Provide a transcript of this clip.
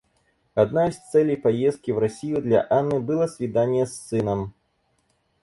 Одна из целей поездки в Россию для Анны было свидание с сыном.